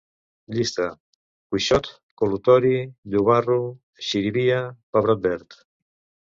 Llista: cuixot, col·lutori, llobarro, xirivia, pebrot verd